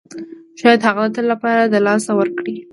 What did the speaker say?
شاید هغه د تل لپاره له لاسه ورکړئ.